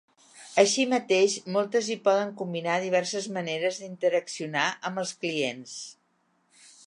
Així mateix, moltes hi poden combinar diverses maneres d'interaccionar amb els clients.